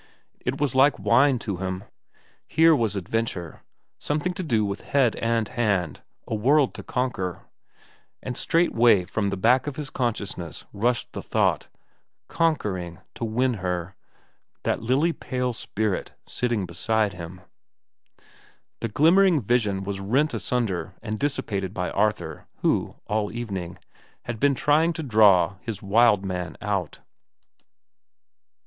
It was like wine to him. Here was adventure, something to do with head and hand, a world to conquer—and straightway from the back of his consciousness rushed the thought, conquering, to win to her, that lily pale spirit sitting beside him. The glimmering vision was rent asunder and dissipated by Arthur, who, all evening, had been trying to draw his wild man out.